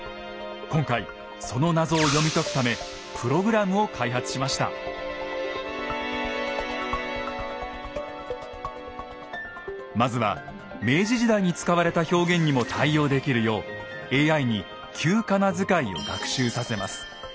今回その謎を読み解くためまずは明治時代に使われた表現にも対応できるようＡＩに旧仮名遣いを学習させます。